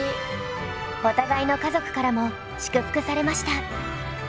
お互いの家族からも祝福されました。